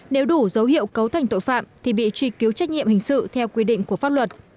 nếu đủ dấu hiệu cấu thành tội phạm thì bị truy cứu trách nhiệm hình sự theo quy định của pháp luật